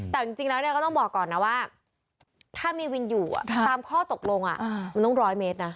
แต่จริงแล้วก็ต้องบอกก่อนนะว่าถ้ามีวินอยู่ตามข้อตกลงมันต้องร้อยเมตรนะ